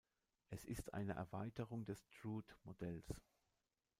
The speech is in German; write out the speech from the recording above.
Es ist eine Erweiterung des Drude-Modells.